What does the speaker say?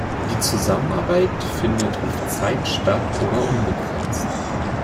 Die Zusammenarbeit findet auf Zeit statt oder unbegrenzt.